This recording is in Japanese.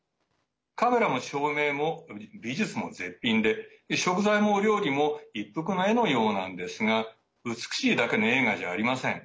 カメラも照明も美術も絶品で食材もお料理も一幅の絵のようなんですが美しいだけの映画じゃありません。